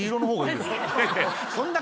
そんな。